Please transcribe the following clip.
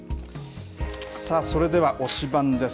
それでは推しバン！です。